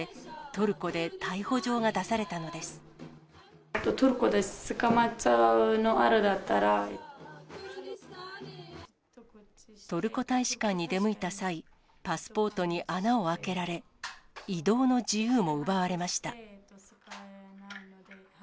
トルコ大使館に出向いた際、パスポートに穴を開けられ、移動の自由も奪われました。